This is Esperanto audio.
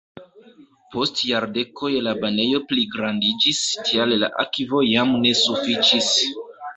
Post jardekoj la banejo pligrandiĝis, tial la akvo jam ne sufiĉis.